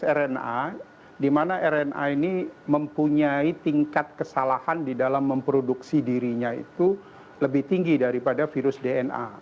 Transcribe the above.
itu virus rna dimana rna ini mempunyai tingkat kesalahan di dalam memproduksi dirinya itu lebih tinggi daripada virus dna